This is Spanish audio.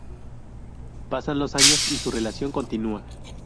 Pasan los años y su relación continúa.